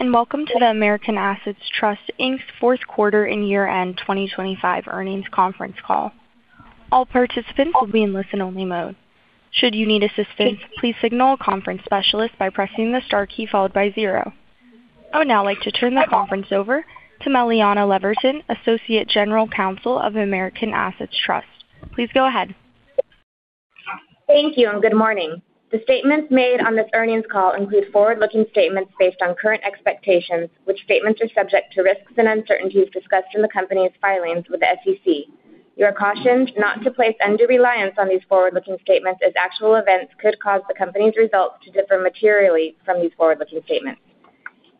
And welcome to the American Assets Trust, Inc.'s fourth quarter and year-end 2025 earnings conference call. All participants will be in listen-only mode. Should you need assistance, please signal a conference specialist by pressing the star key followed by zero. I would now like to turn the conference over to Meliana Leverton, Associate General Counsel of American Assets Trust. Please go ahead. Thank you, and good morning. The statements made on this earnings call include forward-looking statements based on current expectations, which statements are subject to risks and uncertainties discussed in the company's filings with the SEC. You are cautioned not to place undue reliance on these forward-looking statements, as actual events could cause the company's results to differ materially from these forward-looking statements.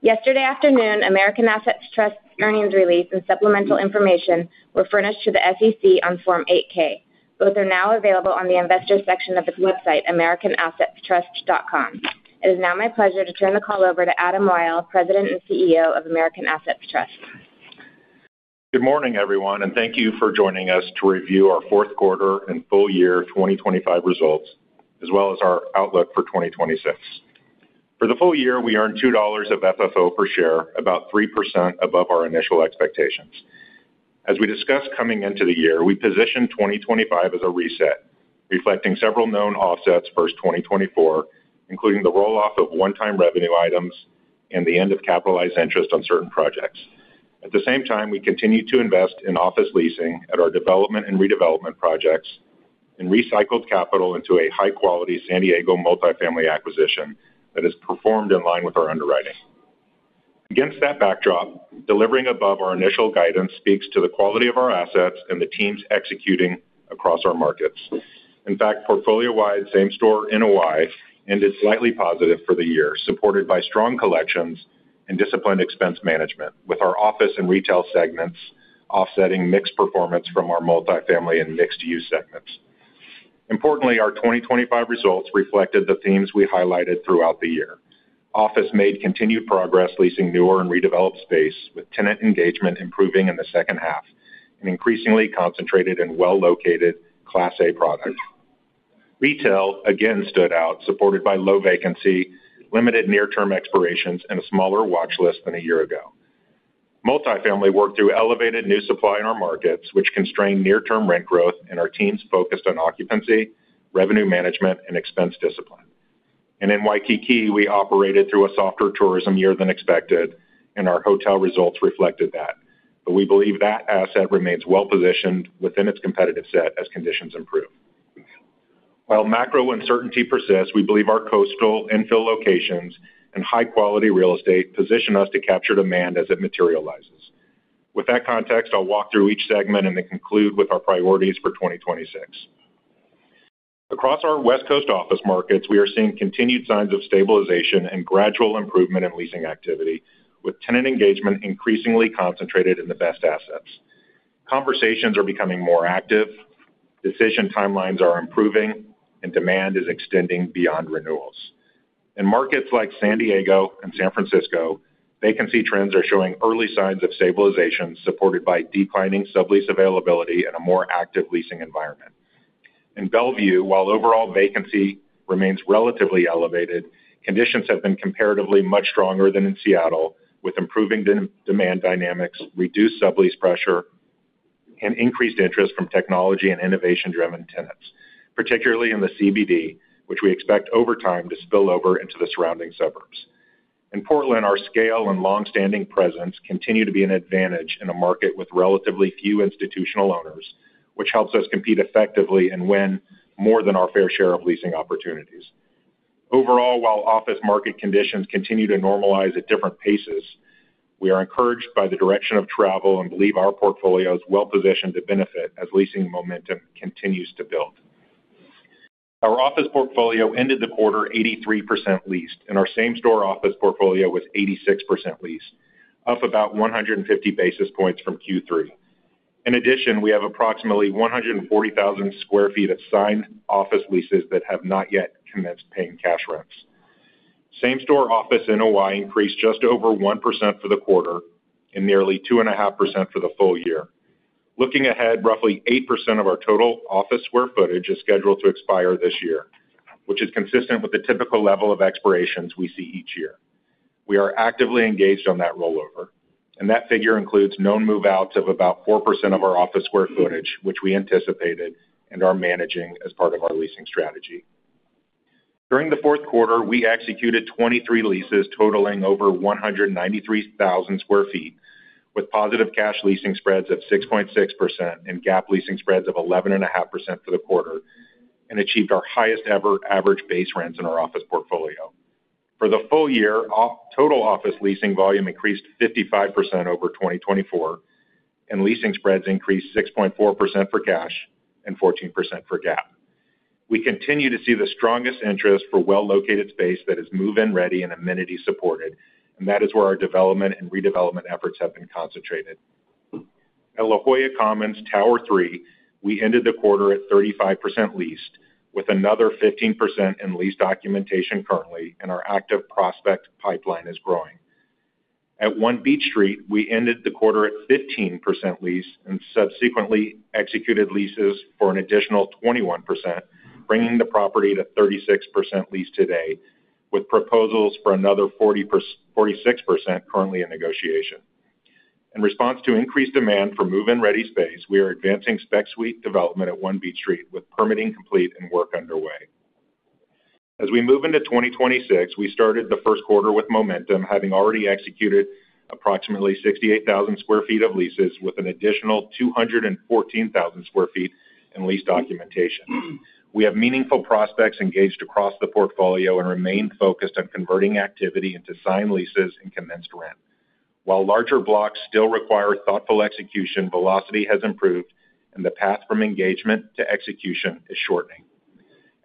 Yesterday afternoon, American Assets Trust earnings release and supplemental information were furnished to the SEC on Form 8-K. Both are now available on the Investors section of its website, americanassetstrust.com. It is now my pleasure to turn the call over to Adam Wyll, President and CEO of American Assets Trust. Good morning, everyone, and thank you for joining us to review our fourth quarter and full year 2025 results, as well as our outlook for 2026. For the full year, we earned $2 of FFO per share, about 3% above our initial expectations. As we discussed coming into the year, we positioned 2025 as a reset, reflecting several known offsets versus 2024, including the roll-off of one-time revenue items and the end of capitalized interest on certain projects. At the same time, we continued to invest in office leasing at our development and redevelopment projects and recycled capital into a high-quality San Diego multifamily acquisition that is performed in line with our underwriting. Against that backdrop, delivering above our initial guidance speaks to the quality of our assets and the teams executing across our markets. In fact, portfolio-wide, same-store NOI ended slightly positive for the year, supported by strong collections and disciplined expense management, with our office and retail segments offsetting mixed performance from our multifamily and mixed-use segments. Importantly, our 2025 results reflected the themes we highlighted throughout the year. Office made continued progress, leasing newer and redeveloped space, with tenant engagement improving in the second half and increasingly concentrated in well-located Class A product. Retail again stood out, supported by low vacancy, limited near-term expirations, and a smaller watch list than a year ago. Multifamily worked through elevated new supply in our markets, which constrained near-term rent growth, and our teams focused on occupancy, revenue management, and expense discipline. In Waikiki, we operated through a softer tourism year than expected, and our hotel results reflected that. We believe that asset remains well-positioned within its competitive set as conditions improve. While macro uncertainty persists, we believe our coastal infill locations and high-quality real estate position us to capture demand as it materializes. With that context, I'll walk through each segment and then conclude with our priorities for 2026. Across our West Coast office markets, we are seeing continued signs of stabilization and gradual improvement in leasing activity, with tenant engagement increasingly concentrated in the best assets. Conversations are becoming more active, decision timelines are improving, and demand is extending beyond renewals. In markets like San Diego and San Francisco, vacancy trends are showing early signs of stabilization, supported by declining sublease availability and a more active leasing environment. In Bellevue, while overall vacancy remains relatively elevated, conditions have been comparatively much stronger than in Seattle, with improving de-demand dynamics, reduced sublease pressure, and increased interest from technology and innovation-driven tenants, particularly in the CBD, which we expect over time to spill over into the surrounding suburbs. In Portland, our scale and longstanding presence continue to be an advantage in a market with relatively few institutional owners, which helps us compete effectively and win more than our fair share of leasing opportunities. Overall, while office market conditions continue to normalize at different paces, we are encouraged by the direction of travel and believe our portfolio is well positioned to benefit as leasing momentum continues to build. Our office portfolio ended the quarter 83% leased, and our same store office portfolio was 86% leased, up about 150 basis points from Q3. In addition, we have approximately 140,000 sq ft of signed office leases that have not yet commenced paying cash rents. Same store office NOI increased just over 1% for the quarter and nearly 2.5% for the full year. Looking ahead, roughly 8% of our total office square footage is scheduled to expire this year, which is consistent with the typical level of expirations we see each year. We are actively engaged on that rollover, and that figure includes known move-outs of about 4% of our office square footage, which we anticipated and are managing as part of our leasing strategy. During the fourth quarter, we executed 23 leases totaling over 193,000 sq ft, with positive cash leasing spreads of 6.6% and GAAP leasing spreads of 11.5% for the quarter, and achieved our highest ever average base rents in our office portfolio. For the full year, total office leasing volume increased 55% over 2024, and leasing spreads increased 6.4% for cash and 14% for GAAP. We continue to see the strongest interest for well-located space that is move-in ready and amenity supported, and that is where our development and redevelopment efforts have been concentrated. At La Jolla Commons Tower III, we ended the quarter at 35% leased, with another 15% in lease documentation currently, and our active prospect pipeline is growing. At One Beach Street, we ended the quarter at 15% leased, and subsequently executed leases for an additional 21%, bringing the property to 36% leased today, with proposals for another 46% currently in negotiation. In response to increased demand for move-in-ready space, we are advancing spec suite development at One Beach Street, with permitting complete and work underway. As we move into 2026, we started the first quarter with momentum, having already executed approximately 68,000 sq ft of leases, with an additional 214,000 sq ft in lease documentation. We have meaningful prospects engaged across the portfolio and remain focused on converting activity into signed leases and commenced rent. While larger blocks still require thoughtful execution, velocity has improved, and the path from engagement to execution is shortening.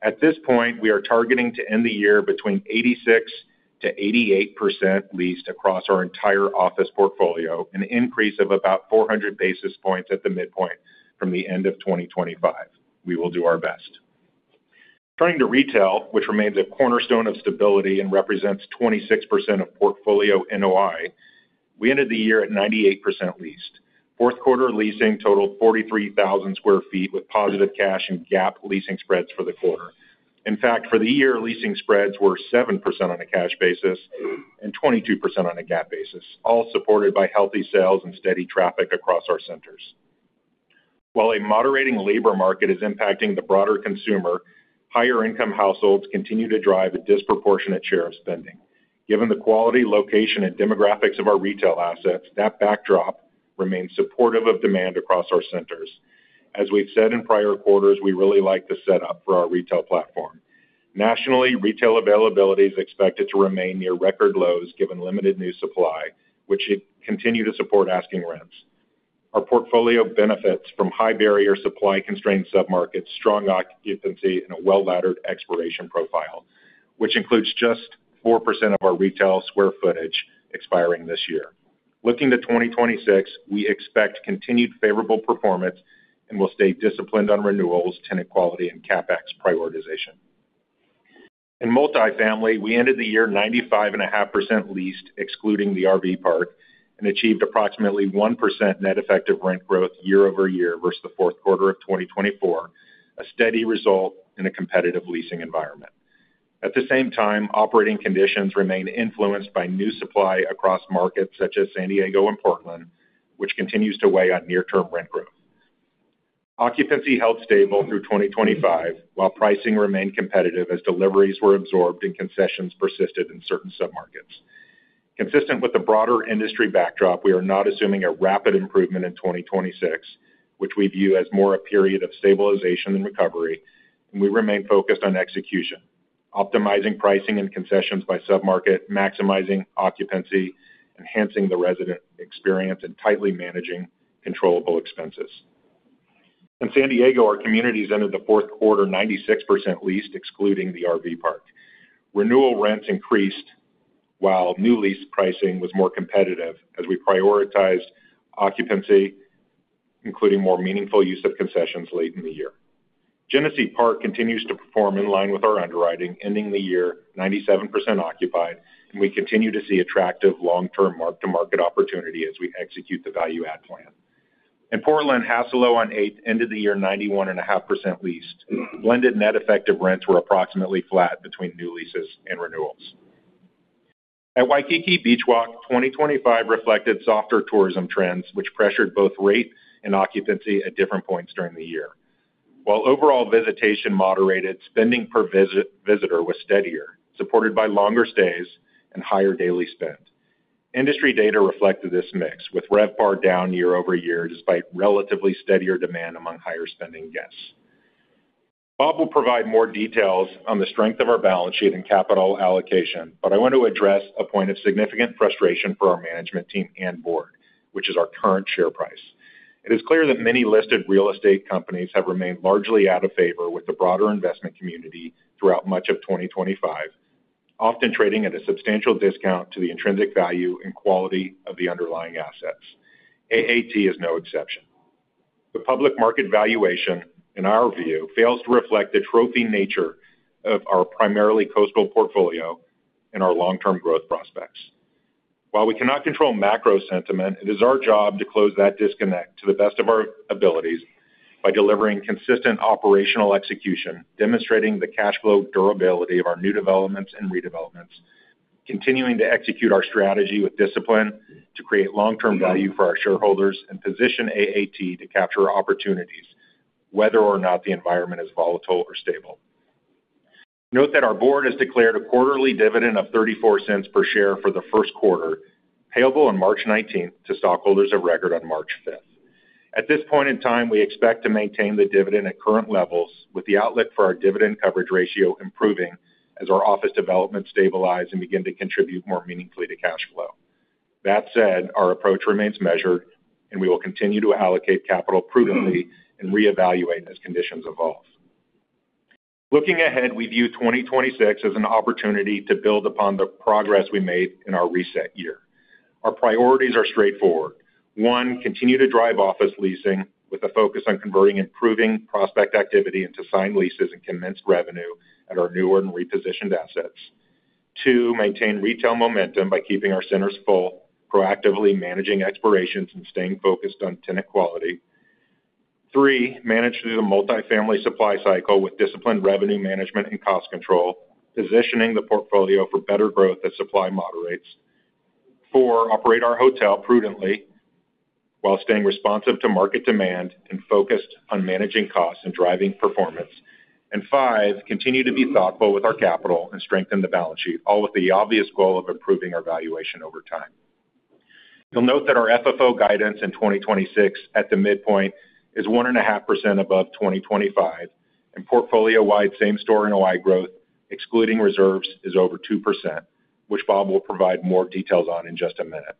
At this point, we are targeting to end the year between 86%-88% leased across our entire office portfolio, an increase of about 400 basis points at the midpoint from the end of 2025. We will do our best. Turning to retail, which remains a cornerstone of stability and represents 26% of portfolio NOI, we ended the year at 98% leased. Fourth quarter leasing totaled 43,000 sq ft, with positive cash and GAAP leasing spreads for the quarter. In fact, for the year, leasing spreads were 7% on a cash basis and 22% on a GAAP basis, all supported by healthy sales and steady traffic across our centers. While a moderating labor market is impacting the broader consumer, higher-income households continue to drive a disproportionate share of spending. Given the quality, location, and demographics of our retail assets, that backdrop remains supportive of demand across our centers. As we've said in prior quarters, we really like the setup for our retail platform. Nationally, retail availability is expected to remain near record lows, given limited new supply, which should continue to support asking rents. Our portfolio benefits from high barrier supply-constrained submarkets, strong occupancy, and a well-laddered expiration profile, which includes just 4% of our retail square footage expiring this year. Looking to 2026, we expect continued favorable performance and will stay disciplined on renewals, tenant quality, and CapEx prioritization. In multifamily, we ended the year 95.5% leased, excluding the RV park, and achieved approximately 1% net effective rent growth year over year versus the fourth quarter of 2024, a steady result in a competitive leasing environment. At the same time, operating conditions remain influenced by new supply across markets such as San Diego and Portland, which continues to weigh on near-term rent growth. Occupancy held stable through 2025, while pricing remained competitive as deliveries were absorbed and concessions persisted in certain submarkets. Consistent with the broader industry backdrop, we are not assuming a rapid improvement in 2026, which we view as more a period of stabilization and recovery, and we remain focused on execution, optimizing pricing and concessions by submarket, maximizing occupancy, enhancing the resident experience, and tightly managing controllable expenses. In San Diego, our communities entered the fourth quarter 96% leased, excluding the RV park. Renewal rents increased, while new lease pricing was more competitive as we prioritized occupancy, including more meaningful use of concessions late in the year. Genesee Park continues to perform in line with our underwriting, ending the year 97% occupied, and we continue to see attractive long-term mark-to-market opportunity as we execute the value add plan. In Portland, Hassalo on Eighth ended the year 91.5% leased. Blended net effective rents were approximately flat between new leases and renewals. At Waikiki Beach Walk, 2025 reflected softer tourism trends, which pressured both rate and occupancy at different points during the year. While overall visitation moderated, spending per visitor was steadier, supported by longer stays and higher daily spend. Industry data reflected this mix, with RevPAR down year-over-year, despite relatively steadier demand among higher-spending guests. Bob will provide more details on the strength of our balance sheet and capital allocation, but I want to address a point of significant frustration for our management team and board, which is our current share price. It is clear that many listed real estate companies have remained largely out of favor with the broader investment community throughout much of 2025, often trading at a substantial discount to the intrinsic value and quality of the underlying assets. AAT is no exception. The public market valuation, in our view, fails to reflect the trophy nature of our primarily coastal portfolio and our long-term growth prospects. While we cannot control macro sentiment, it is our job to close that disconnect to the best of our abilities by delivering consistent operational execution, demonstrating the cash flow durability of our new developments and redevelopments, continuing to execute our strategy with discipline to create long-term value for our shareholders, and position AAT to capture opportunities, whether or not the environment is volatile or stable. Note that our board has declared a quarterly dividend of $0.34 per share for the first quarter, payable on March 19th to stockholders of record on March 5th. At this point in time, we expect to maintain the dividend at current levels, with the outlook for our dividend coverage ratio improving as our office developments stabilize and begin to contribute more meaningfully to cash flow. That said, our approach remains measured, and we will continue to allocate capital prudently and reevaluate as conditions evolve. Looking ahead, we view 2026 as an opportunity to build upon the progress we made in our reset year. Our priorities are straightforward: One, continue to drive office leasing with a focus on converting improving prospect activity into signed leases and commenced revenue at our newer and repositioned assets. Two, maintain retail momentum by keeping our centers full, proactively managing expirations, and staying focused on tenant quality. Three, manage through the multifamily supply cycle with disciplined revenue management and cost control, positioning the portfolio for better growth as supply moderates. Four, operate our hotel prudently, while staying responsive to market demand and focused on managing costs and driving performance. And five, continue to be thoughtful with our capital and strengthen the balance sheet, all with the obvious goal of improving our valuation over time. You'll note that our FFO guidance in 2026 at the midpoint is 1.5% above 2025, and portfolio-wide same-store NOI growth, excluding reserves, is over 2%, which Bob will provide more details on in just a minute.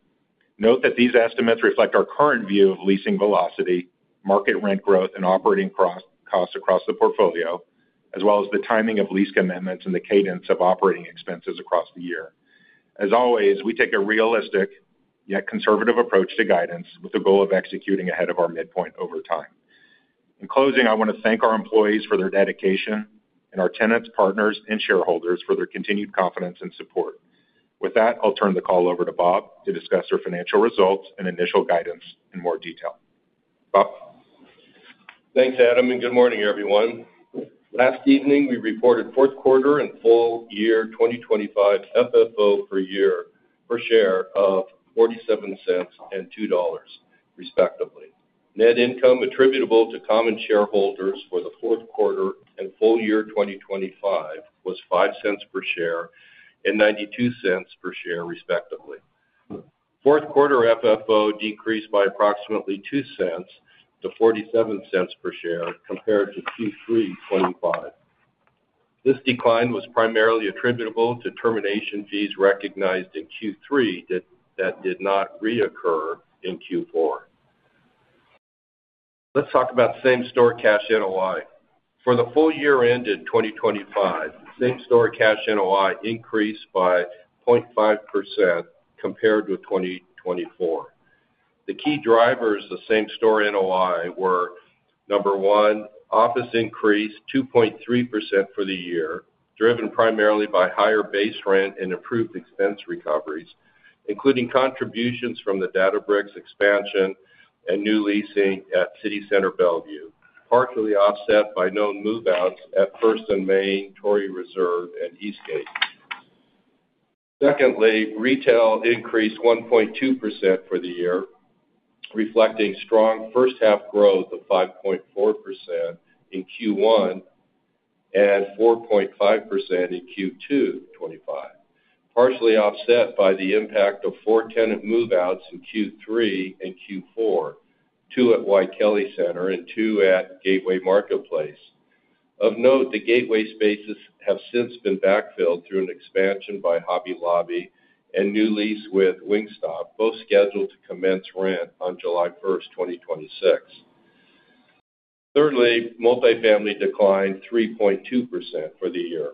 Note that these estimates reflect our current view of leasing velocity, market rent growth, and operating costs across the portfolio, as well as the timing of lease commitments and the cadence of operating expenses across the year. As always, we take a realistic, yet conservative approach to guidance, with the goal of executing ahead of our midpoint over time. In closing, I want to thank our employees for their dedication and our tenants, partners, and shareholders for their continued confidence and support. With that, I'll turn the call over to Bob to discuss our financial results and initial guidance in more detail. Bob? Thanks, Adam, and good morning, everyone. Last evening, we reported fourth quarter and full year 2025 FFO per share of $0.47 and $2.00, respectively. Net income attributable to common shareholders for the fourth quarter and full year 2025 was $0.05 per share and $0.92 per share, respectively. Fourth quarter FFO decreased by approximately $0.02 to $0.47 per share compared to Q3 2025. This decline was primarily attributable to termination fees recognized in Q3 that did not reoccur in Q4. Let's talk about same-store cash NOI. For the full year ended 2025, same-store cash NOI increased by 0.5% compared with 2024. The key drivers of Same-Store NOI were, number one, office increased 2.3% for the year, driven primarily by higher base rent and improved expense recoveries, including contributions from the Databricks expansion and new leasing at City Center Bellevue, partially offset by known move-outs at First & Main, Torrey Reserve, and Eastgate. Secondly, retail increased 1.2% for the year, reflecting strong first half growth of 5.4% in Q1 and 4.5% in Q2 2025, partially offset by the impact of four tenant move-outs in Q3 and Q4, two at Waikele Center and two at Gateway Marketplace. Of note, the Gateway spaces have since been backfilled through an expansion by Hobby Lobby and new lease with Wingstop, both scheduled to commence rent on July 1, 2026. Thirdly, multifamily declined 3.2% for the year,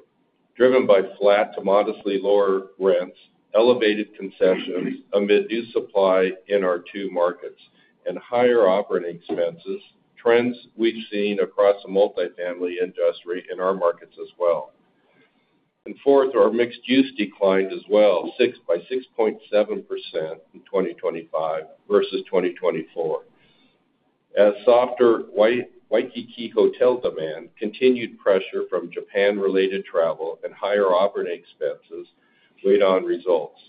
driven by flat to modestly lower rents, elevated concessions amid new supply in our two markets, and higher operating expenses, trends we've seen across the multifamily industry in our markets as well. And fourth, our mixed-use declined as well, by 6.7% in 2025 versus 2024, as softer Waikiki hotel demand, continued pressure from Japan-related travel and higher operating expenses weighed on results.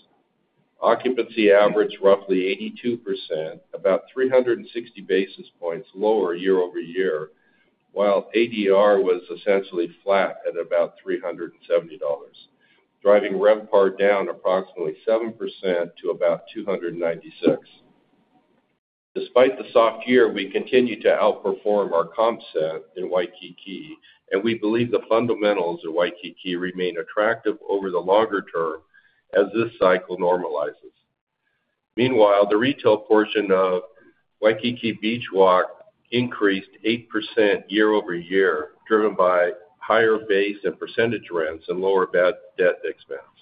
Occupancy averaged roughly 82%, about 360 basis points lower year over year, while ADR was essentially flat at about $370, driving RevPAR down approximately 7% to about $296. Despite the soft year, we continue to outperform our comp set in Waikiki, and we believe the fundamentals of Waikiki remain attractive over the longer term as this cycle normalizes. Meanwhile, the retail portion of Waikiki Beach Walk increased 8% year-over-year, driven by higher base and percentage rents and lower bad debt expense.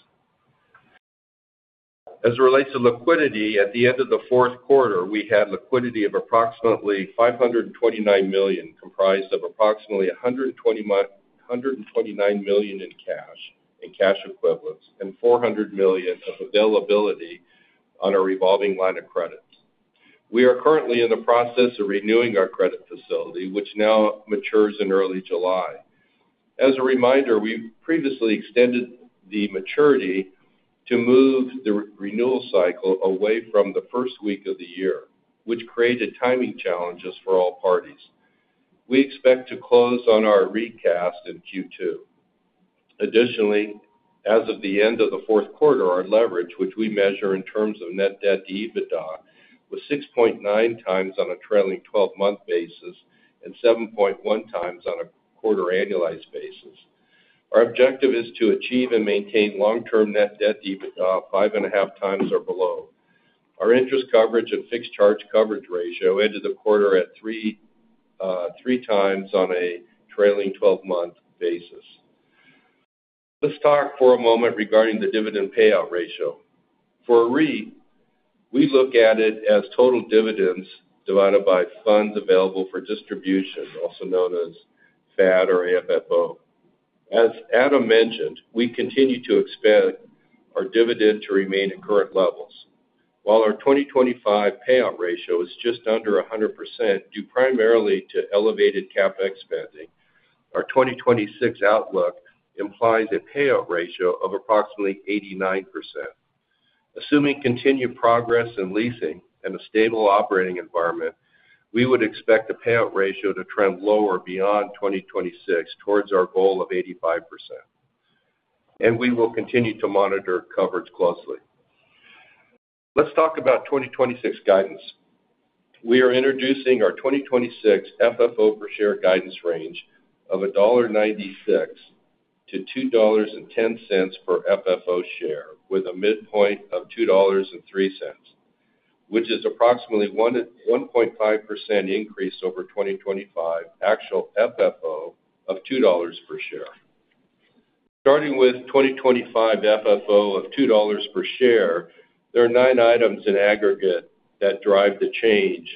As it relates to liquidity, at the end of the fourth quarter, we had liquidity of approximately $529 million, comprised of approximately $129 million in cash and cash equivalents, and $400 million of availability on our revolving line of credit. We are currently in the process of renewing our credit facility, which now matures in early July. As a reminder, we've previously extended the maturity to move the renewal cycle away from the first week of the year, which created timing challenges for all parties. We expect to close on our recast in Q2. Additionally, as of the end of the fourth quarter, our leverage, which we measure in terms of net debt to EBITDA, was 6.9x on a trailing twelve-month basis and 7.1x on a quarter annualized basis. Our objective is to achieve and maintain long-term net debt to EBITDA 5.5x or below. Our interest coverage and fixed charge coverage ratio ended the quarter at 3x on a trailing twelve-month basis. Let's talk for a moment regarding the dividend payout ratio. For a REIT, we look at it as total dividends divided by funds available for distribution, also known as FAD or AFFO. As Adam mentioned, we continue to expand our dividend to remain at current levels. While our 2025 payout ratio is just under 100%, due primarily to elevated CapEx spending, our 2026 outlook implies a payout ratio of approximately 89%. Assuming continued progress in leasing and a stable operating environment, we would expect the payout ratio to trend lower beyond 2026 towards our goal of 85%, and we will continue to monitor coverage closely. Let's talk about 2026 guidance. We are introducing our 2026 FFO per share guidance range of $1.96-$2.10 per FFO share, with a midpoint of $2.03, which is approximately 1%-1.5% increase over 2025 actual FFO of $2 per share. Starting with 2025 FFO of $2 per share, there are nine items in aggregate that drive the change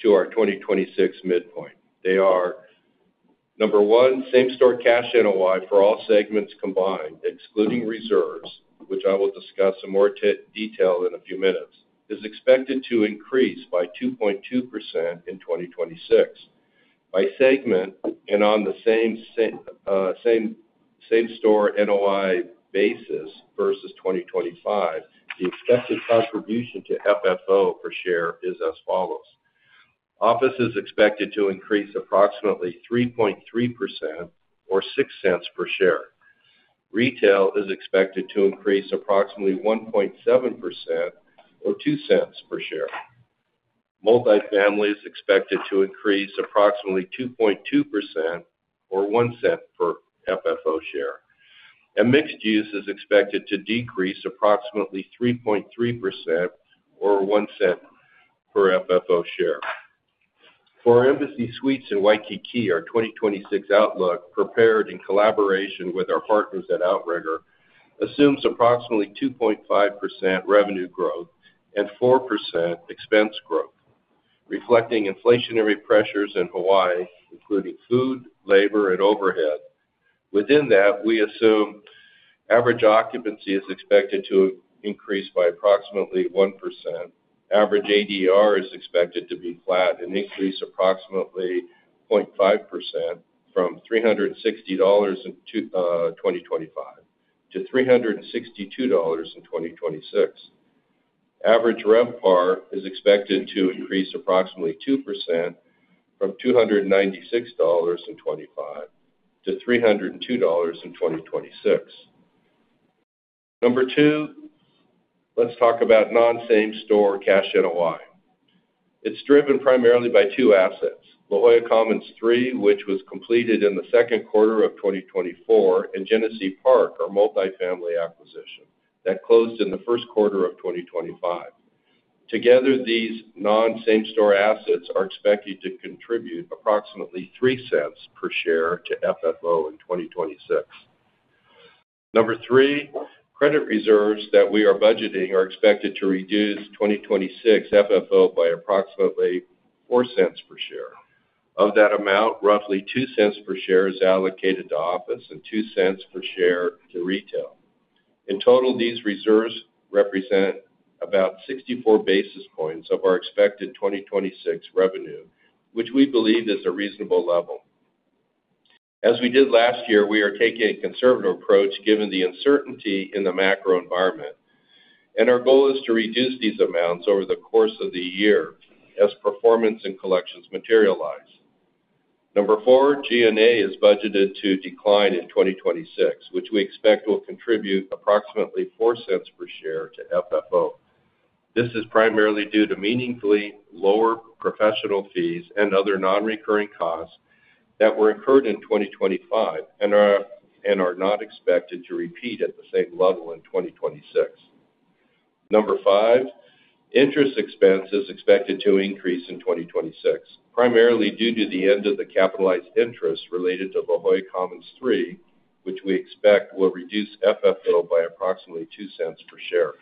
to our 2026 midpoint. They are: 1, same-store cash NOI for all segments combined, excluding reserves, which I will discuss in more detail in a few minutes, is expected to increase by 2.2% in 2026. By segment and on the same-store NOI basis versus 2025, the expected contribution to FFO per share is as follows: Office is expected to increase approximately 3.3% or $0.06 per share. Retail is expected to increase approximately 1.7% or $0.02 per share. Multifamily is expected to increase approximately 2.2% or $0.01 per FFO share, and mixed use is expected to decrease approximately 3.3% or $0.01 per FFO share. For Embassy Suites in Waikiki, our 2026 outlook, prepared in collaboration with our partners at Outrigger, assumes approximately 2.5% revenue growth and 4% expense growth, reflecting inflationary pressures in Hawaii, including food, labor, and overhead. Within that, we assume average occupancy is expected to increase by approximately 1%. Average ADR is expected to be flat and increase approximately 0.5% from $360 in 2025 to $362 in 2026. Average RevPAR is expected to increase approximately 2% from $296 in 2025 to $302 in 2026. Number two, let's talk about non-same-store cash NOI. It's driven primarily by two assets, La Jolla Commons III, which was completed in the second quarter of 2024, and Genesee Park, our multifamily acquisition, that closed in the first quarter of 2025. Together, these non-same-store assets are expected to contribute approximately $0.03 per share to FFO in 2026. Number 3, credit reserves that we are budgeting are expected to reduce 2026 FFO by approximately $0.04 per share. Of that amount, roughly $0.02 per share is allocated to office and $0.02 per share to retail. In total, these reserves represent about 64 basis points of our expected 2026 revenue, which we believe is a reasonable level. As we did last year, we are taking a conservative approach given the uncertainty in the macro environment, and our goal is to reduce these amounts over the course of the year as performance and collections materialize. Number four, G&A is budgeted to decline in 2026, which we expect will contribute approximately $0.04 per share to FFO. This is primarily due to meaningfully lower professional fees and other non-recurring costs that were incurred in 2025 and are not expected to repeat at the same level in 2026. Number five, interest expense is expected to increase in 2026, primarily due to the end of the capitalized interest related to La Jolla Commons III, which we expect will reduce FFO by approximately $0.02 per share.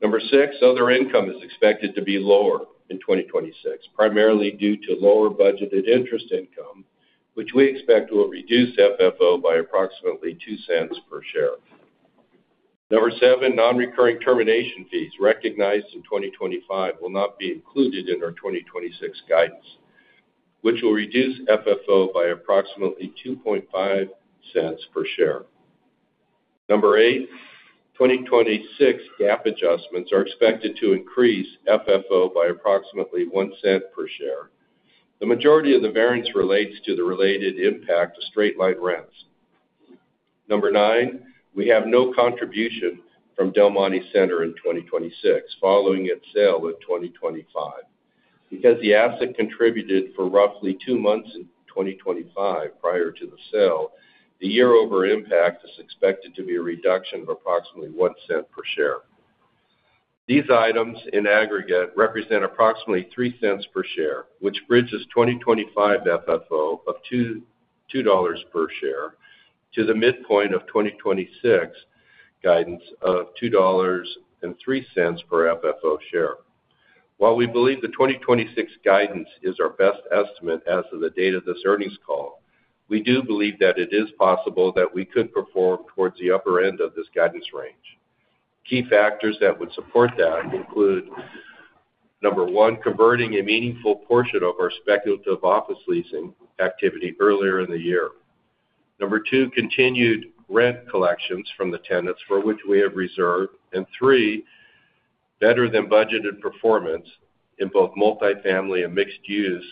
Number 6, other income is expected to be lower in 2026, primarily due to lower budgeted interest income, which we expect will reduce FFO by approximately $0.02 per share. Number 7, non-recurring termination fees recognized in 2025 will not be included in our 2026 guidance, which will reduce FFO by approximately $0.025 per share. Number 8, 2026 GAAP adjustments are expected to increase FFO by approximately $0.01 per share. The majority of the variance relates to the related impact to straight-line rents. Number 9, we have no contribution from Del Monte Center in 2026, following its sale in 2025. Because the asset contributed for roughly 2 months in 2025 prior to the sale, the year-over impact is expected to be a reduction of approximately $0.01 per share. These items in aggregate represent approximately $0.03 per share, which bridges 2025 FFO of $2.20 per share to the midpoint of 2026 guidance of $2.03 per FFO share. While we believe the 2026 guidance is our best estimate as of the date of this earnings call, we do believe that it is possible that we could perform towards the upper end of this guidance range. Key factors that would support that include, number one, converting a meaningful portion of our speculative office leasing activity earlier in the year. Number two, continued rent collections from the tenants for which we have reserved. And three, better than budgeted performance in both multifamily and mixed use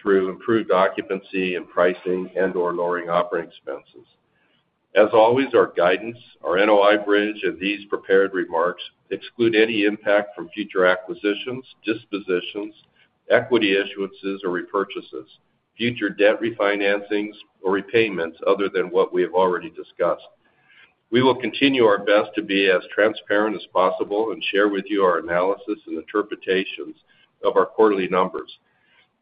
through improved occupancy and pricing and/or lowering operating expenses. As always, our guidance, our NOI bridge, and these prepared remarks exclude any impact from future acquisitions, dispositions, equity issuances or repurchases, future debt refinancings or repayments other than what we have already discussed. We will continue our best to be as transparent as possible and share with you our analysis and interpretations of our quarterly numbers.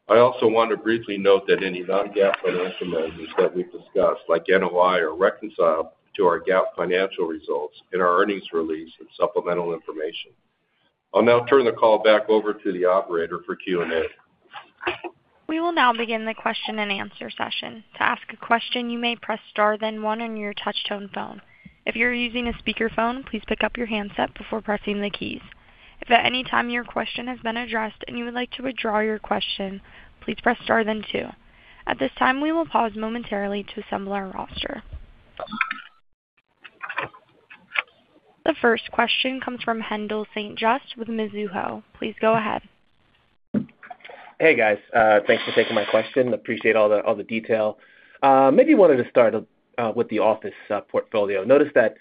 I also want to briefly note that any non-GAAP financial measures that we've discussed, like NOI, are reconciled to our GAAP financial results in our earnings release and supplemental information. I'll now turn the call back over to the operator for Q&A. We will now begin the question-and-answer session. To ask a question, you may press Star, then one on your touchtone phone. If you're using a speakerphone, please pick up your handset before pressing the keys. If at any time your question has been addressed and you would like to withdraw your question, please press Star then two. At this time, we will pause momentarily to assemble our roster. The first question comes from Haendel St. Juste with Mizuho. Please go ahead. Hey, guys, thanks for taking my question. Appreciate all the all the detail. Maybe wanted to start with the office portfolio. Noticed that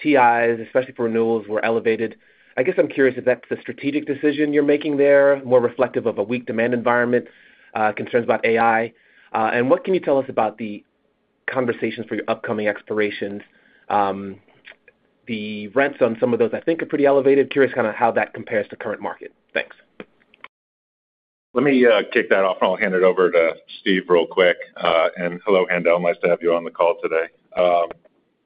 TIs, especially for renewals, were elevated. I guess I'm curious if that's a strategic decision you're making there, more reflective of a weak demand environment, concerns about AI. And what can you tell us about the conversations for your upcoming expirations? The rents on some of those, I think, are pretty elevated. Curious kind of how that compares to current market. Thanks. Let me kick that off, and I'll hand it over to Steve real quick. And hello, Haendel, nice to have you on the call today.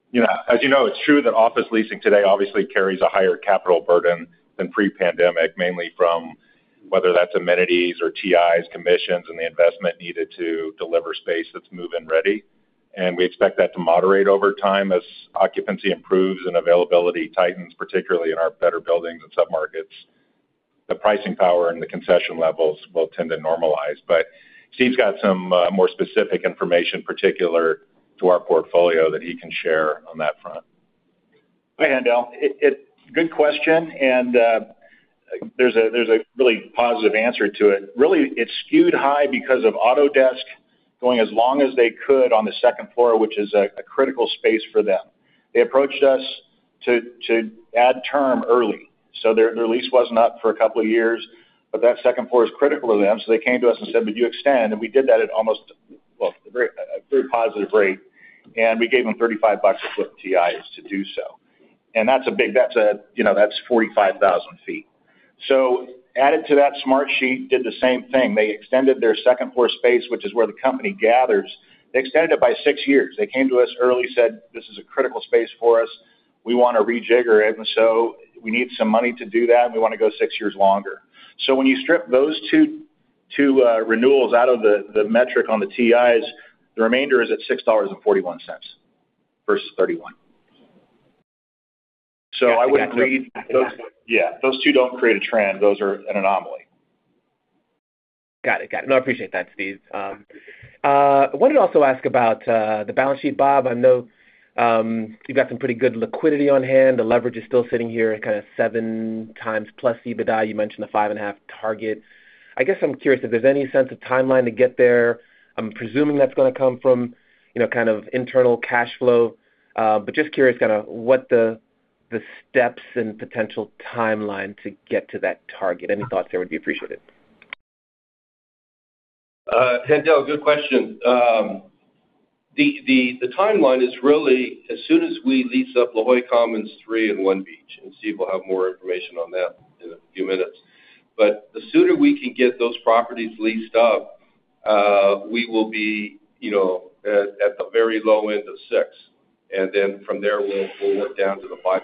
You know, as you know, it's true that office leasing today obviously carries a higher capital burden than pre-pandemic, mainly from whether that's amenities or TIs, commissions, and the investment needed to deliver space that's move-in ready. And we expect that to moderate over time as occupancy improves and availability tightens, particularly in our better buildings and submarkets. The pricing power and the concession levels will tend to normalize. But Steve's got some more specific information particular to our portfolio that he can share on that front. Hi, Haendel. Good question, and there's a really positive answer to it. Really, it's skewed high because of Autodesk going as long as they could on the second floor, which is a critical space for them. They approached us to add term early, so their lease wasn't up for a couple of years, but that second floor is critical to them. So they came to us and said, "Would you extend?" And we did that at almost, well, a very positive rate, and we gave them $35 a foot TIs to do so. And that's a big... That's a, you know, that's 45,000 feet. So added to that, Smartsheet did the same thing. They extended their second-floor space, which is where the company gathers. They extended it by six years. They came to us early, said, "This is a critical space for us. We want to rejigger it, and so we need some money to do that, and we want to go 6 years longer." So when you strip those two, two renewals out of the metric on the TIs, the remainder is at $6.41 versus $31. So I wouldn't read- Yeah, those two don't create a trend. Those are an anomaly. Got it. Got it. No, I appreciate that, Steve. Wanted to also ask about the balance sheet, Bob. I know you've got some pretty good liquidity on hand. The leverage is still sitting here at kind of 7x plus EBITDA. You mentioned the 5.5 target. I guess I'm curious if there's any sense of timeline to get there. I'm presuming that's going to come from, you know, kind of internal cash flow. But just curious kind of what the steps and potential timeline to get to that target. Any thoughts there would be appreciated. Haendel, good question. The timeline is really as soon as we lease up La Jolla Commons three and One Beach, and Steve will have more information on that in a few minutes. But the sooner we can get those properties leased up, we will be, you know, at the very low end of 6, and then from there, we'll work down to the 5.5.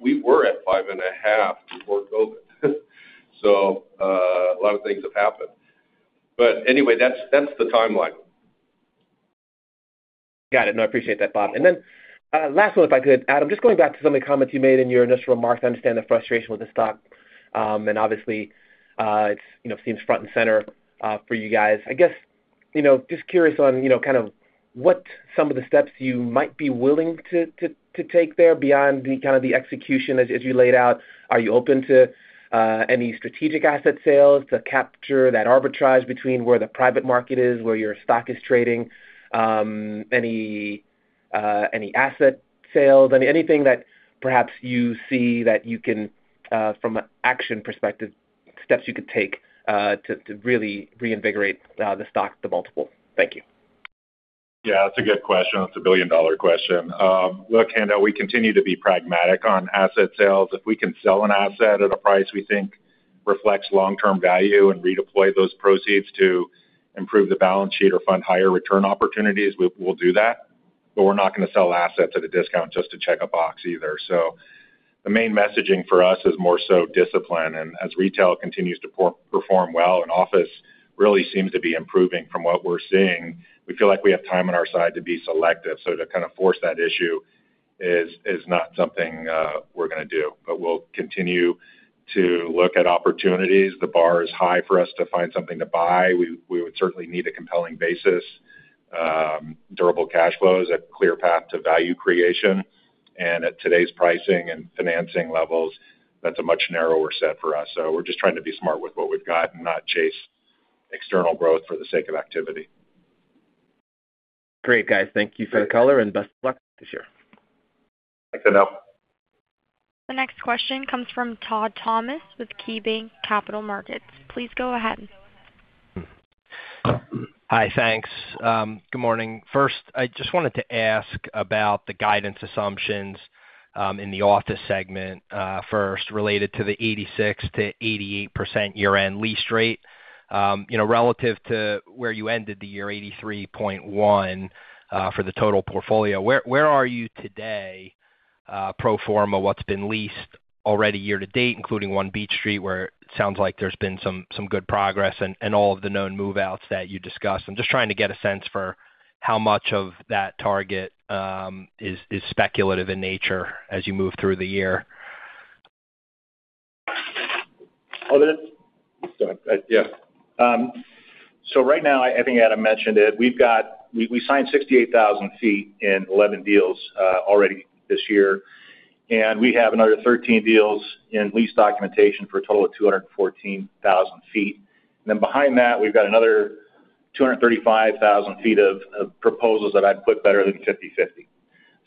We were at 5.5 before COVID, so a lot of things have happened. But anyway, that's the timeline. Got it. No, I appreciate that, Bob. And then, last one, if I could, Adam, just going back to some of the comments you made in your initial remarks. I understand the frustration with the stock, and obviously, it's, you know, seems front and center, for you guys. I guess, you know, just curious on, you know, kind of what some of the steps you might be willing to take there beyond the kind of the execution as you laid out. Are you open to any strategic asset sales to capture that arbitrage between where the private market is, where your stock is trading? Any asset sales, anything that perhaps you see that you can from an action perspective, steps you could take to really reinvigorate the stock, the multiple? Thank you.... Yeah, that's a good question. That's a billion-dollar question. Look, we continue to be pragmatic on asset sales. If we can sell an asset at a price we think reflects long-term value and redeploy those proceeds to improve the balance sheet or fund higher return opportunities, we'll do that. But we're not gonna sell assets at a discount just to check a box either. So, the main messaging for us is more so discipline, and as retail continues to perform well, and office really seems to be improving from what we're seeing, we feel like we have time on our side to be selective. So, to kind of force that issue is not something we're gonna do. But we'll continue to look at opportunities. The bar is high for us to find something to buy. We would certainly need a compelling basis, durable cash flows, a clear path to value creation. And at today's pricing and financing levels, that's a much narrower set for us. So we're just trying to be smart with what we've got and not chase external growth for the sake of activity. Great, guys. Thank you for the color, and best of luck this year. Thanks, Haendel. The next question comes from Todd Thomas with KeyBanc Capital Markets. Please go ahead. Hi, thanks. Good morning. First, I just wanted to ask about the guidance assumptions in the office segment, first, related to the 86%-88% year-end lease rate. You know, relative to where you ended the year, 83.1, for the total portfolio. Where are you today, pro forma, what's been leased already year to date, including One Beach Street, where it sounds like there's been some good progress, and all of the known move-outs that you discussed? I'm just trying to get a sense for how much of that target is speculative in nature as you move through the year. So right now, I think Adam mentioned it. We've signed 68,000 sq ft in 11 deals already this year, and we have another 13 deals in lease documentation for a total of 214,000 sq ft. Then behind that, we've got another 235,000 sq ft of proposals that I'd put better than 50/50.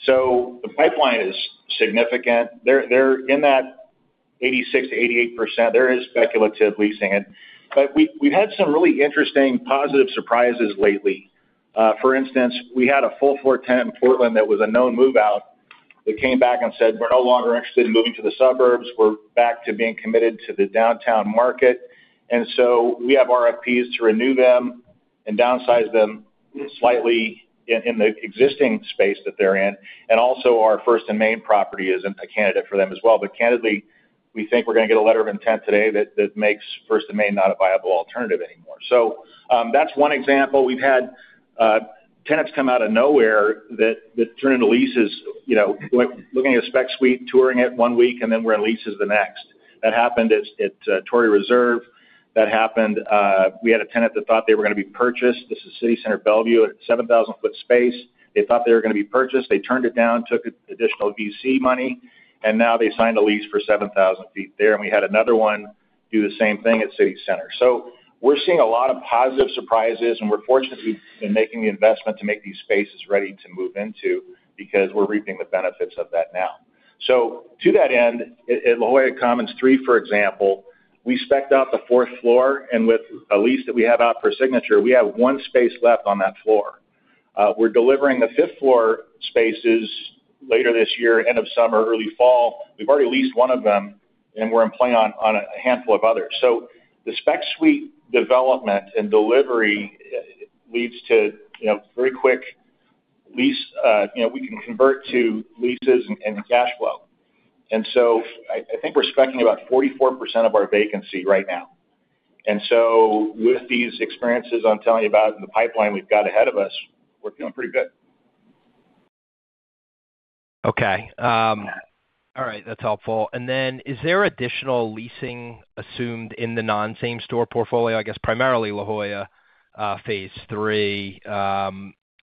So the pipeline is significant. In that 86%-88%, there is speculative leasing in. But we've had some really interesting positive surprises lately. For instance, we had a full floor tenant in Portland that was a known move-out. They came back and said, "We're no longer interested in moving to the suburbs. We're back to being committed to the downtown market." And so, we have RFPs to renew them and downsize them slightly in the existing space that they're in. And also, our First & Main property isn't a candidate for them as well. But candidly, we think we're gonna get a letter of intent today that makes First & Main not a viable alternative anymore. So that's one example. We've had tenants come out of nowhere that turn into leases, you know, looking at a spec suite, touring it 1 week, and then we're in leases the next. That happened at Torrey Reserve. That happened. We had a tenant that thought they were gonna be purchased. This is City Center Bellevue, a 7,000-sq-ft space. They thought they were gonna be purchased. They turned it down, took additional VC money, and now they signed a lease for 7,000 sq ft there, and we had another one do the same thing at City Center. So we're seeing a lot of positive surprises, and we're fortunate to be making the investment to make these spaces ready to move into because we're reaping the benefits of that now. So, to that end, at La Jolla Commons III, for example, we spec'd out the fourth floor, and with a lease that we have out for signature, we have one space left on that floor. We're delivering the fifth-floor spaces later this year, end of summer, early fall. We've already leased one of them, and we're in play on a handful of others. So, the spec suite development and delivery lead to, you know, very quick lease. You know, we can convert to leases and cash flow. And so I think we're specing about 44% of our vacancy right now. And so with these experiences I'm telling you about and the pipeline we've got ahead of us, we're feeling pretty good. Okay. All right, that's helpful. And then, is there additional leasing assumed in the non-same store portfolio, I guess, primarily La Jolla Phase III?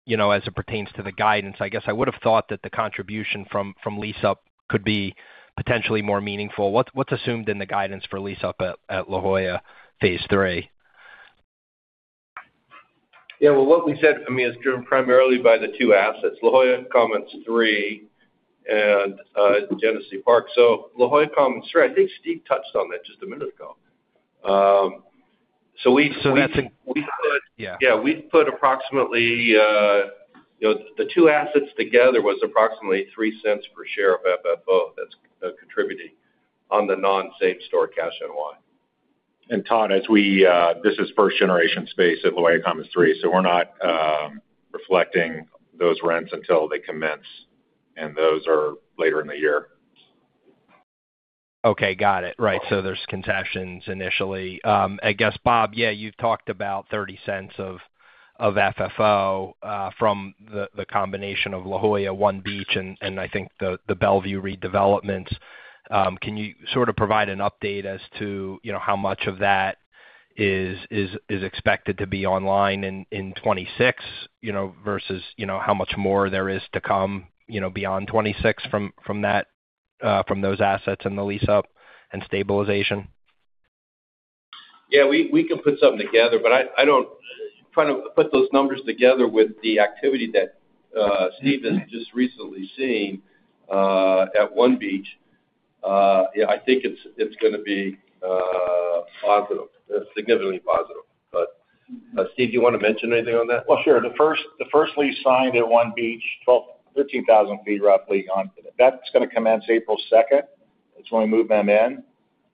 You know, as it pertains to the guidance, I guess I would have thought that the contribution from lease-up could be potentially more meaningful. What's assumed in the guidance for lease-up at La Jolla Phase III? Yeah, well, what we said, I mean, is driven primarily by the two assets, La Jolla Commons III and Genesee Park. So, La Jolla Commons III, I think Steve touched on that just a minute ago. So, we- That's in- We put- Yeah. Yeah, we put approximately, you know, the two assets together was approximately $0.03 per share of FFO that's contributing on the non-same store cash NOI. Todd, as we, this is first-generation space at La Jolla Commons III, so we're not reflecting those rents until they commence, and those are later in the year. Okay, got it. Right. So, there's concessions initially. I guess, Bob, yeah, you've talked about $0.30 of FFO from the combination of La Jolla, One Beach, and I think the Bellevue redevelopments. Can you sort of provide an update as to, you know, how much of that is expected to be online in 2026, you know, versus, you know, how much more there is to come, you know, beyond 2026 from that from those assets and the lease-up and stabilization? Yeah, we can put something together, but I don't— trying to put those numbers together with the activity that Steve has just recently seen at One Beach.... Yeah, I think it's, it's gonna be positive, significantly positive. But, Steve, do you want to mention anything on that? Well, sure. The first lease signed at One Beach, 12-13,000 feet roughly on it. That's gonna commence April second. That's when we move them in.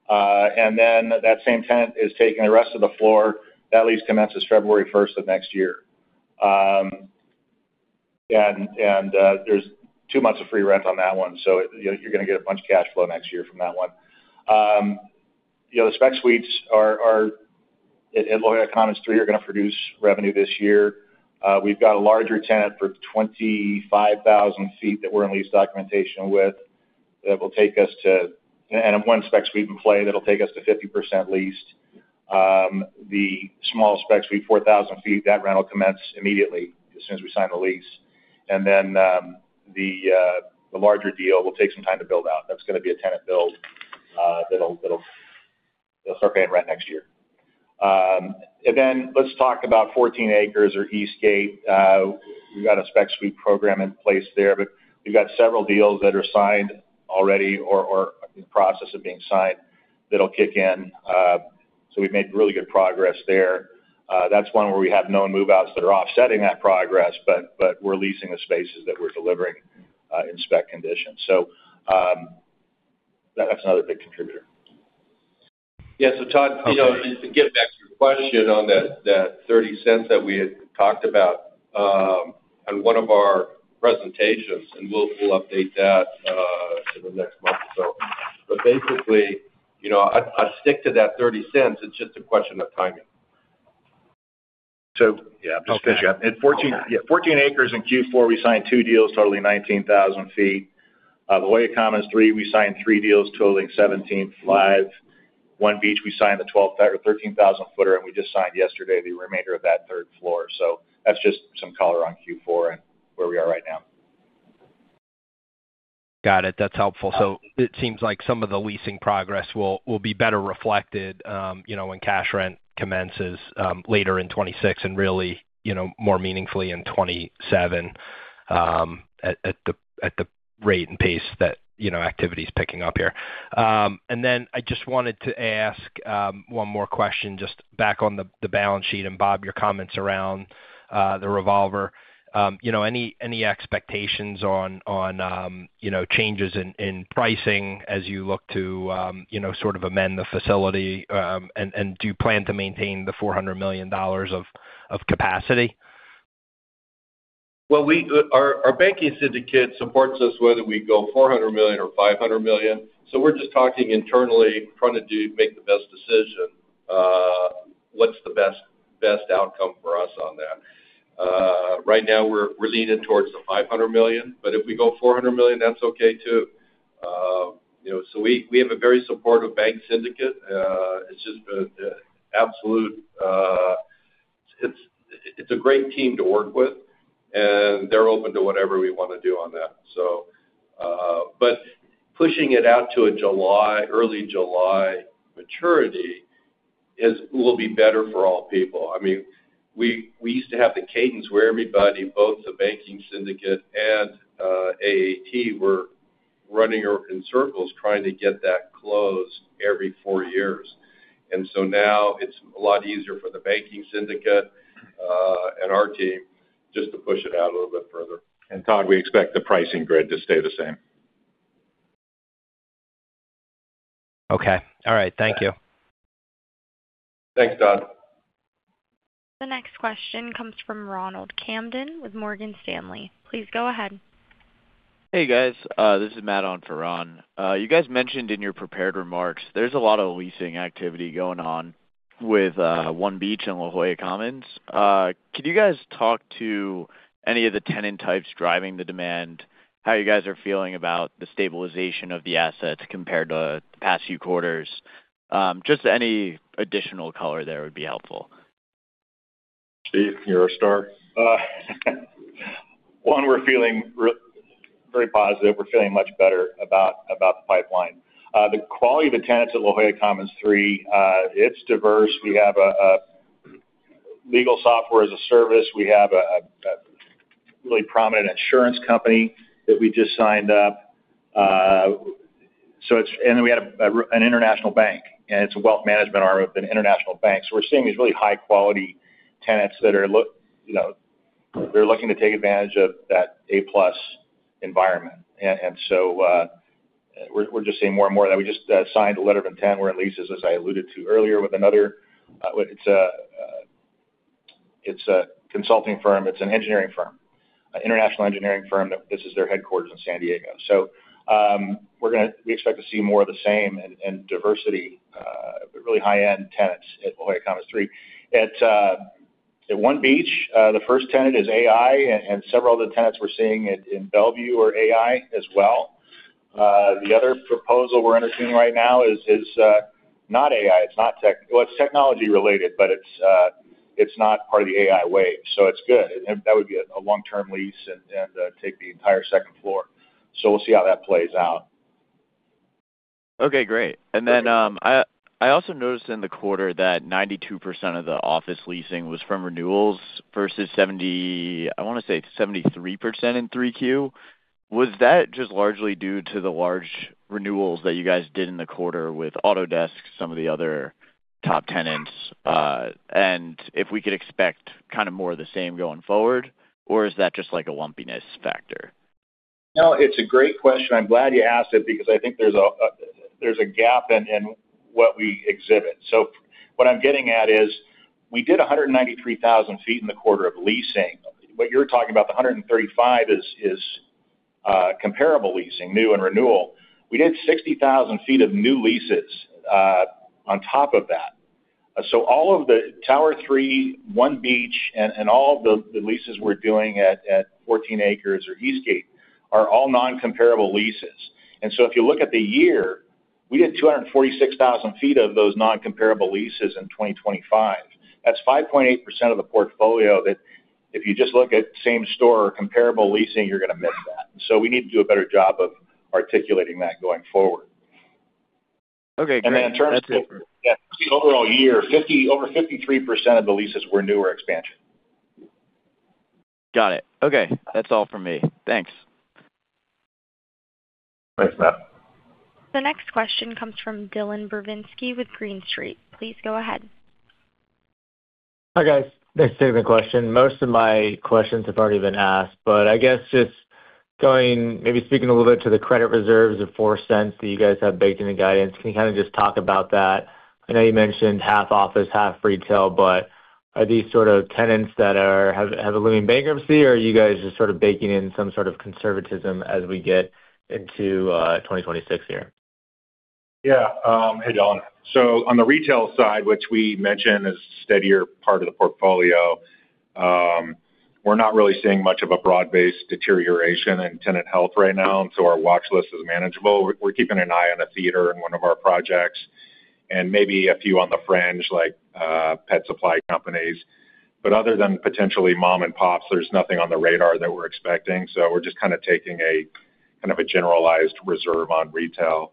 And then that same tenant is taking the rest of the floor. That lease commences February first of next year. And there's two months of free rent on that one, so you're gonna get a bunch of cash flow next year from that one. You know, the spec suites at La Jolla Commons three are gonna produce revenue this year. We've got a larger tenant for 25,000 feet that we're in lease documentation with, that will take us to... and one spec suite in play that'll take us to 50% leased. The small spec suite, 4,000 sq ft, that rent will commence immediately, as soon as we sign the lease. And then, the larger deal will take some time to build out. That's gonna be a tenant build, that'll, they'll start paying rent next year. And then let's talk about Fourteen Acres or Eastgate. We've got a spec suite program in place there, but we've got several deals that are signed already or in the process of being signed that'll kick in. So we've made really good progress there. That's one where we have known move-outs that are offsetting that progress, but we're leasing the spaces that we're delivering in spec condition. So that's another big contributor. Yeah. So Todd, you know, to get back to your question on that, that $0.30 that we had talked about, on one of our presentations, and we'll update that, in the next month or so. But basically, you know, I stick to that $0.30. It's just a question of timing. So yeah, thanks, yeah. At Fourteen Acres in Q4, we signed two deals, totaling 19,000 sq ft. La Jolla Commons three, we signed three deals totaling 17,500 sq ft. One Beach, we signed the 12,000- or 13,000-sq ft space, and we just signed yesterday the remainder of that third floor. So that's just some color on Q4 and where we are right now. Got it. That's helpful. So it seems like some of the leasing progress will be better reflected, you know, when cash rent commences later in 2026, and really, you know, more meaningfully in 2027, at the rate and pace that, you know, activity is picking up here. And then I just wanted to ask one more question, just back on the balance sheet, and Bob, your comments around the revolver. You know, any expectations on changes in pricing as you look to sort of amend the facility? And do you plan to maintain the $400 million of capacity? Well, we, our banking syndicate supports us whether we go $400 million or $500 million. So, we're just talking internally, trying to make the best decision. What's the best outcome for us on that? Right now, we're leaning towards the $500 million, but if we go $400 million, that's okay, too. You know, so we have a very supportive bank syndicate. It's just an absolute. It's a great team to work with, and they're open to whatever we want to do on that. So, but pushing it out to a July, early July maturity will be better for all people. I mean, we used to have the cadence where everybody, both the banking syndicate and AAT, were running in circles trying to get that closed every 4 years. And so now it's a lot easier for the banking syndicate, and our team just to push it out a little bit further. Todd, we expect the pricing grid to stay the same. Okay. All right. Thank you. Thanks, Todd. The next question comes from Ronald Kamdem with Morgan Stanley. Please go ahead. Hey, guys. This is Matt on for Ron. You guys mentioned in your prepared remarks there's a lot of leasing activity going on with One Beach and La Jolla Commons. Could you guys talk to any of the tenant types driving the demand, how you guys are feeling about the stabilization of the assets compared to the past few quarters? Just any additional color there would be helpful. Steve, you're our star. One, we're feeling really very positive. We're feeling much better about the pipeline. The quality of the tenants at La Jolla Commons three, it's diverse. We have a legal software as a service. We have a really prominent insurance company that we just signed up. So, it's and then we had an international bank, and it's a wealth management arm of an international bank. So, we're seeing these really high-quality tenants that are looking you know, they're looking to take advantage of that A-plus environment. And so, we're just seeing more and more that we just signed a letter of intent for leases, as I alluded to earlier, with another, it's a consulting firm. It's an engineering firm, an international engineering firm, that this is their headquarters in San Diego. So, we expect to see more of the same and diversity, but really high-end tenants at La Jolla Commons three. At One Beach, the first tenant is AI, and several other tenants we're seeing in Bellevue are AI as well. The other proposal we're entertaining right now is not AI. It's not tech. Well, it's technology-related, but it's not part of the AI wave, so it's good. And that would be a long-term lease and take the entire second floor. So, we'll see how that plays out. Okay, great. And then, I also noticed in the quarter that 92% of the office leasing was from renewals versus 70, I wanna say, 73% in 3Q. Was that just largely due to the large renewals that you guys did in the quarter with Autodesk, some of the other top tenants, and if we could expect kind of more of the same going forward, or is that just like a lumpiness factor? No, it's a great question. I'm glad you asked it, because I think there's a gap in what we exhibit. So, what I'm getting at is, we did 193,000 feet in the quarter of leasing. What you're talking about, the 135 is comparable leasing, new and renewal. We did 60,000 feet of new leases on top of that. So, all of the Tower III, One Beach, and all of the leases we're doing at Fourteen Acres or Eastgate, are all non-comparable leases. And so, if you look at the year, we did 246,000 feet of those non-comparable leases in 2025. That's 5.8% of the portfolio that if you just look at same store or comparable leasing, you're gonna miss that. We need to do a better job of articulating that going forward. Okay, great. And then in terms of- That's super. Yeah, the overall year, over 53% of the leases were new or expansion. Got it. Okay, that's all from me. Thanks. Thanks, Matt. The next question comes from Dylan Burzinski with Green Street. Please go ahead. Hi, guys. Thanks for taking the question. Most of my questions have already been asked, but I guess just going, maybe speaking a little bit to the credit reserves of $0.04 that you guys have baked in the guidance. Can you kind of just talk about that? I know you mentioned half office, half retail, but are these sorts of tenants that are, have, have a looming bankruptcy, or are you guys just sort of baking in some sort of conservatism as we get into 2026 here? Yeah. Hey, Dylan. So on the retail side, which we mentioned is a steadier part of the portfolio, we're not really seeing much of a broad-based deterioration in tenant health right now, and so our watch list is manageable. We're, we're keeping an eye on a theater in one of our projects, and maybe a few on the fringe, like, pet supply companies. But other than potentially mom and pops, there's nothing on the radar that we're expecting, so we're just kind of taking a kind of a generalized reserve on retail.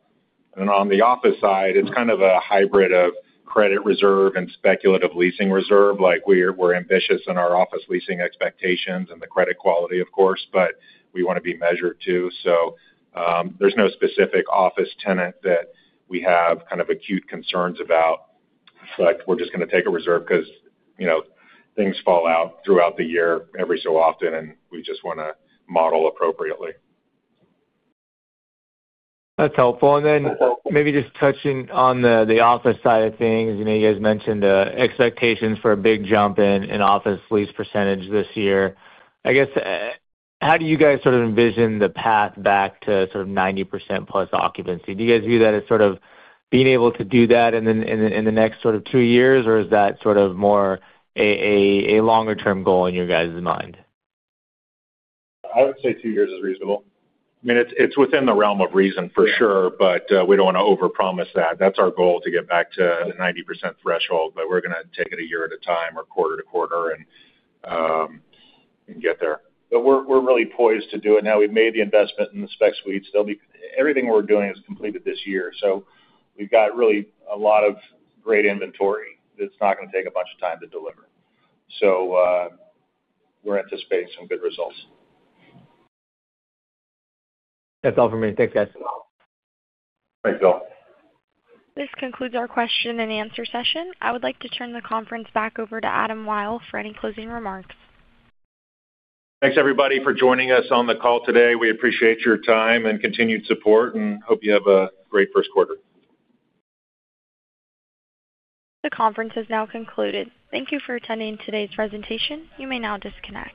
And then on the office side, it's kind of a hybrid of credit reserve and speculative leasing reserve. Like, we're, we're ambitious in our office leasing expectations and the credit quality, of course, but we wanna be measured, too. So, there's no specific office tenant that we have kind of acute concerns about. But we're just gonna take a reserve because, you know, things fall out throughout the year, every so often, and we just wanna model appropriately. That's helpful. And then maybe just touching on the office side of things. You know, you guys mentioned expectations for a big jump in office lease percentage this year. I guess how do you guys sort of envision the path back to sort of 90% plus occupancy? Do you guys view that as sort of being able to do that in the next sort of two years, or is that sort of more a longer term goal in your guys' mind? I would say two years is reasonable. I mean, it's within the realm of reason, for sure- Yeah. But we don't want to overpromise that. That's our goal, to get back to the 90% threshold, but we're gonna take it a year at a time or quarter to quarter and get there. But we're really poised to do it now. We've made the investment in the spec suites. There'll be... Everything we're doing is completed this year, so we've got really a lot of great inventory that's not gonna take a bunch of time to deliver. So, we're anticipating some good results. That's all for me. Thanks, guys. Thanks, Dylan. This concludes our question and answer session. I would like to turn the conference back over to Adam Wyll for any closing remarks. Thanks, everybody, for joining us on the call today. We appreciate your time and continued support, and hope you have a great first quarter. The conference has now concluded. Thank you for attending today's presentation. You may now disconnect.